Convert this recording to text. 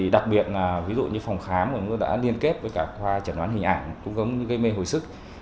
đặc biệt là phòng khám đã liên kết với các khoa chẩn đoán hình ảnh cũng gây mê hồi sức